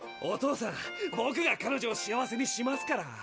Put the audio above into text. お父さんぼくが彼女を幸せにしますから。